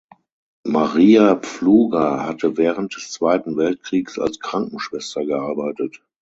Maria Pfluger hatte während des Zweiten Weltkriegs als Krankenschwester gearbeitet.